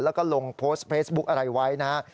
แล้วก็ลงโพสต์เฟซบุ๊กอะไรไว้นะฮะ